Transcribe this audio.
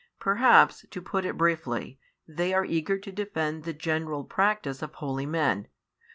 Perhaps, to put it briefly, they are eager to defend the general practice of holy men.